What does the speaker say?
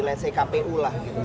lsc kpu lah gitu kan